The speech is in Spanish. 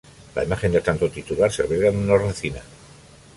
La imagen del santo titular se alberga en una hornacina.